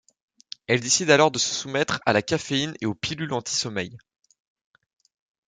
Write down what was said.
Elle décide alors de se soumettre à la caféine et aux pilules anti-sommeil.